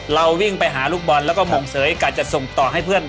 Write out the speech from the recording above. เราวิ่งไปหาลูกบอลแล้วก็หม่งเสยกะจะส่งต่อให้เพื่อน